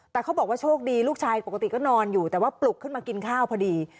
แต่เขาบอกว่าโชคดีลูกชายปกติก็นอนอยู่แต่ว่าปลุกขึ้นมากินข้าวพอดี